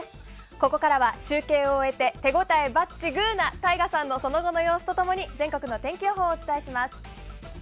ここからは中継を終えて手応えバッチグーなＴＡＩＧＡさんのその後の様子と共に全国の天気予報をお伝えします。